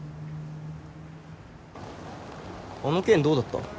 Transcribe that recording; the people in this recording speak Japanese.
あの件どうだった？